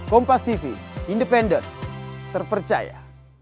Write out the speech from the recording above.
kompas tv independen terpercaya